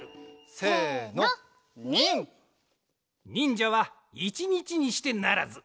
せのニン！にんじゃはいちにちにしてならず。